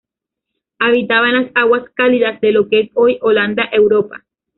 Habitaba en las aguas cálidas de lo que es hoy Holanda, Europa.